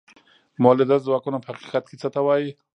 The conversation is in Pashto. مؤلده ځواکونه په حقیقت کې څه ته وايي؟